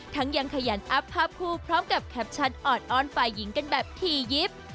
ยังขยันอัพภาพคู่พร้อมกับแคปชั่นออดอ้อนฝ่ายหญิงกันแบบถี่ยิบ